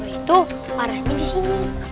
itu arahnya disini